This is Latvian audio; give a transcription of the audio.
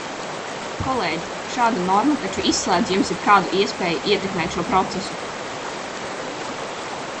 Kolēģi, šāda norma taču izslēdz jums jebkādu iespēju ietekmēt šo procesu!